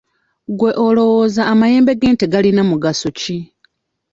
Gwe olowooza amayembe g'ente galina mugaso ki?